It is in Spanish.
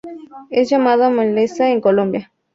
Es llamada maleza en Colombia.